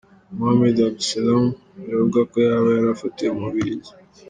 Mohammed Abdeslam – biravugwa ko yaba yarafatiwe mu Bubiligi.